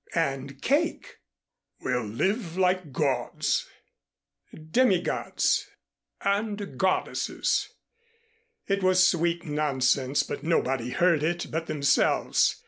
"And cake " "We'll live like gods " "Demigods " "And goddesses." It was sweet nonsense but nobody heard it but themselves.